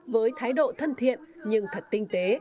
với thái độ thân thiện nhưng thật tinh tế